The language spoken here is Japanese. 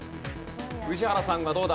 宇治原さんはどうだ？